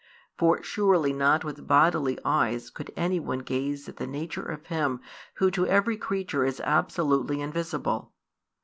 For surely not with bodily eyes could any one gaze at the nature of Him Who to every creature is absolutely invisible.